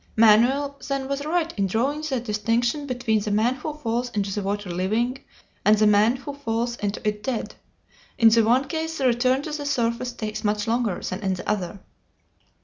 Manoel then was right in drawing the distinction between the man who falls into the water living and the man who falls into it dead. In the one case the return to the surface takes much longer than in the other.